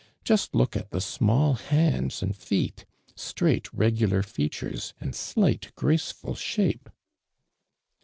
Just look at the small hands and feet— straight, regular feature^. and slight graceful .shape!''